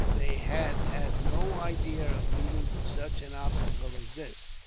They had had no idea of meeting with such an obstacle as this.